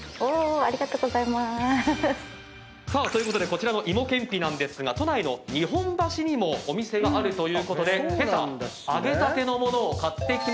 こちらの芋けんぴなんですが都内の日本橋にもお店があるということで今朝揚げたての物を買ってきました。